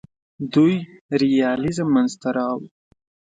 دوی ریالیزم منځ ته راوړ.